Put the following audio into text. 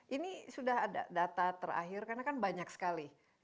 ini sudah ada data terakhir karena kan banyak sekali